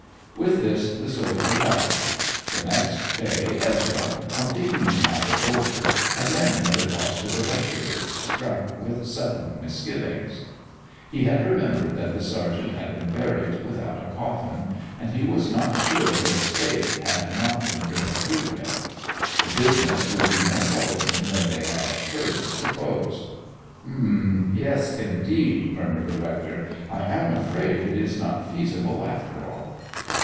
With this the soldier left. The next day Ezra, on thinking the matter over, again went across to the rectory, struck with sudden misgiving. He had remembered that the sergeant had been buried without a coffin, and he was not sure that a stake had not been driven through him. The business would be more troublesome than they had at first supposed. 'Yes, indeed!' murmured the rector. 'I am afraid it is not feasible after all.'